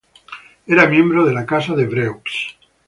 Era miembro de la Casa de Évreux.